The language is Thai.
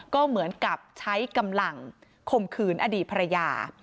ก็เหมือนกับใช้กำลังข่มขืนอดีตภรรยา